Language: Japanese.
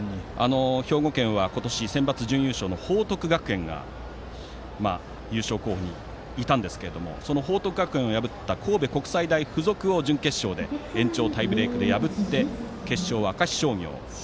兵庫県は今年センバツ準優勝の報徳学園が優勝候補にいたんですけどもその報徳学園を破った神戸国際大付属を準決勝で延長タイブレークで破って決勝は明石商業。